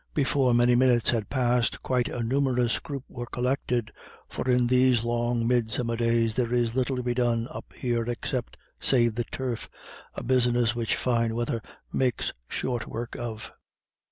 Before many minutes had passed quite a numerous group were collected, for in these long midsummer days there is little to be done up here except save the turf, a business which fine weather makes short work of.